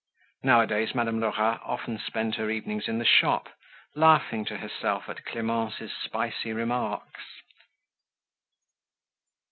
Nowadays Madame Lerat often spent her evenings in the shop, laughing to herself at Clemence's spicy remarks.